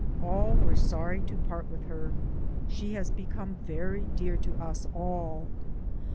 All were sorry to part with her. She has become very dear to us all.